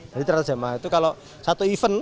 jadi traktir jamaah itu kalau satu event